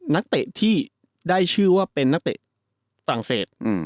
นักเตะที่ได้ชื่อว่าเป็นนักเตะฝรั่งเศส